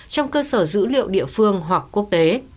trong cơ sở dữ liệu địa phương hoặc quốc tế